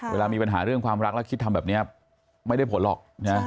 เวลามีปัญหาเรื่องความรักแล้วคิดทำแบบนี้ไม่ได้ผลหรอก